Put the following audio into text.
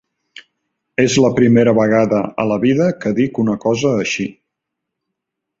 És la primera vegada a la vida que dic una cosa així.